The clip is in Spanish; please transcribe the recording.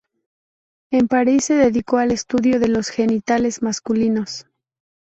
En París se dedicó al estudio de los genitales masculinos.